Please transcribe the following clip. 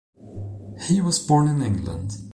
He was born in England.